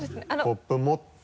コップ持って。